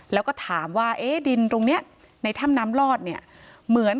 แล้วก็ถามว่าเอ๊ะดินตรงนี้ในถ้ำน้ำลอดเนี่ยเหมือน